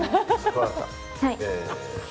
分かった。